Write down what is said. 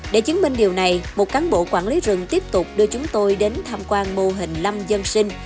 để chứng minh điều này một cán bộ quản lý rừng tiếp tục đưa chúng tôi đến tham quan mô hình lâm dân sinh